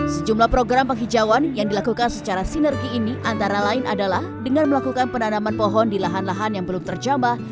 sejumlah program penghijauan yang dilakukan secara sinergi ini antara lain adalah dengan melakukan penanaman pohon di lahan lahan yang belum terjambah